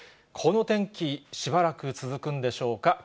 この天気、しばらく続くんでしょうか。